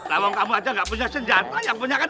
lawang kamu aja gak punya senjata yang punya kan aku